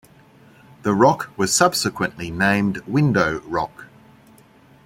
The rock was subsequently named Window Rock.